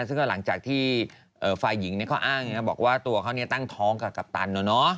ซึ่งก็หลังจากที่ฝ่ายหญิงเขาอ้างนะบอกว่าตัวเขาตั้งท้องกับกัปตัน